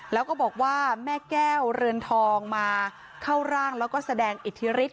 แล้วก็บอกว่าแม่แก้วเรือนทองมาเข้าร่างแล้วก็แสดงอิทธิฤทธ